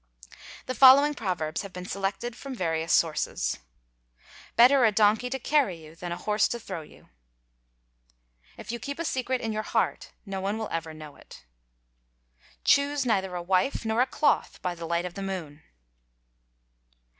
The following proverbs have been selected from various sources :—" Better a donkey to carry you than a horse to throw you.—If you keep a secret in your heart no one will ever know it.—Choose neither a wife nor a cloth by the light of the moon.